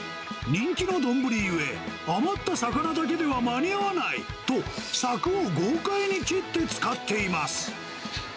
人気の丼ゆえ、余った魚だけでは間に合わないとさくを豪快に切って使っています。